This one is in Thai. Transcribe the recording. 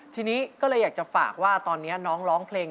ทีนี้ก็เลยอยากจะฝากว่าตอนนี้น้องร้องเพลง